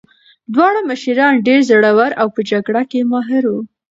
دواړه مشران ډېر زړور او په جګړه کې ماهر وو.